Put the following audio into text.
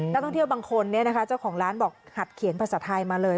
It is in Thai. นักท่องเที่ยวบางคนเจ้าของร้านบอกหัดเขียนภาษาไทยมาเลย